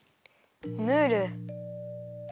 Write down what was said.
ムール。